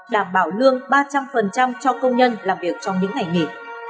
đảm bảo lương ba trăm linh cho công nhân làm việc trong những ngày nghỉ